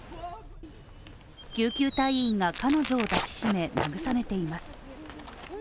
救急隊員が彼女を抱きしめ慰めています。